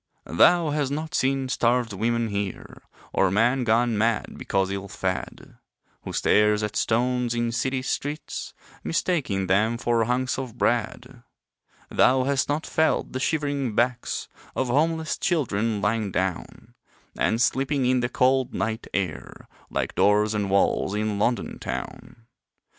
Thou has not seen starved women here, Or man gone mad because ill fed Who stares at stones in city streets, Mistaking them for hunks of bread. Thou hast not felt the shivering backs Of homeless children lying down And sleeping in the cold, night air Like doors and walls in London town.